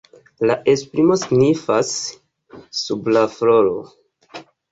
La esprimo signifas „sub la floro“.